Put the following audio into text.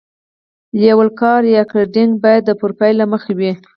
لیول کاري یا ګریډینګ باید د پروفیل له مخې وي